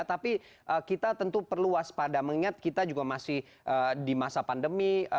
tapi kita tentu perlu waspada mengingat kita juga masih di masa pandemi